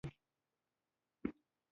دغه پارک د وچېدو تر خطر لاندې ښکاره شو.